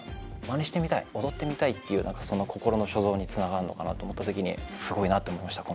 まねしてみたい踊ってみたいという心の衝動につながるのかなと思った時にすごいなと思いました